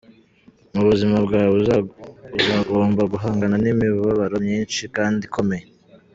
Mu buzima bwawe, uzagomba guhangana n’imibabaro myinshi kandi ikomeye.